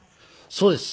そうです。